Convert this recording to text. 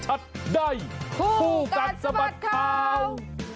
ภูการสบัดข่าวภูการสบัดข่าว